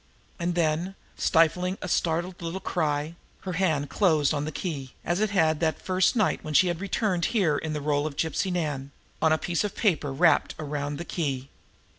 And then, stifling a startled little cry, her hand closed on the key, and closed, as it had closed on that first night when she had returned here in the role of Gypsy Nan, on a piece of paper wrapped around the key.